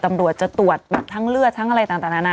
ตำรวจจะตรวจทั้งเลือดทั้งอะไรต่าง